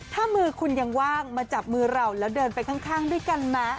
ถ้ามือคุณยังว่างมาจับมือเราแล้วเดินไปข้างด้วยกันนะ